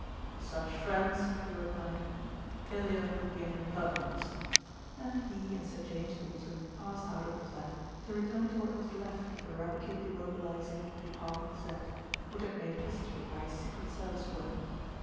"With such friends," he replied, "failure would be an impertinence," and he and Sir James Walton passed out of the flat to return to what was left of the rapidly demobilising Department Z, which had made history by its Secret Service work.